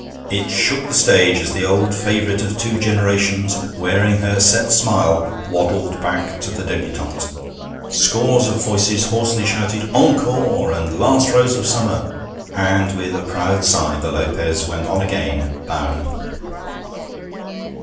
It shook the stage as the old favourite of two generations, wearing her set smile, waddled back to the debutante. Scores of voices hoarsely shouted 'Encore!' and 'Last Rose of Summer,' and with a proud sigh the Lopez went on again, bowing.